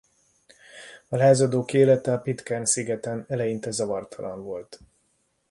A lázadók élete a Pitcairn-szigeten eleinte zavartalan volt.